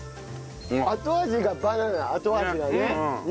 後味がバナナ後味がね。